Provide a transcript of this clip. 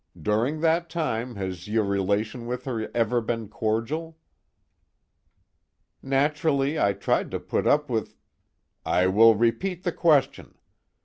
During that time, has your relation with her ever been cordial?" "Naturally I tried to put up with " "I will repeat the question.